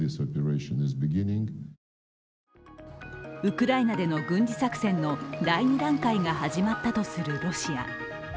ウクライナでの軍事作戦の第２段階が始まったとするロシア。